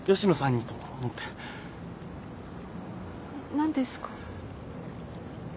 何ですか？